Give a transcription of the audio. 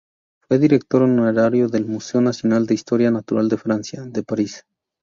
Fue director honorario del Museo Nacional de Historia Natural de Francia, de París.